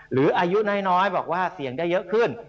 อายุน้อยบอกว่าเสี่ยงได้เยอะขึ้น